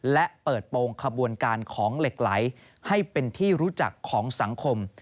และเปิดโปรงขบวนการของเหล็กไหลให้เป็นที่รู้จักของสังคม